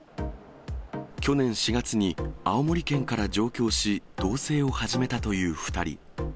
去年４月に青森県から上京し、同せいを始めたという２人。